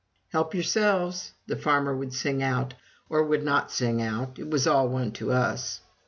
"Help yourselves!" the farmers would sing out, or would not sing out. It was all one to us.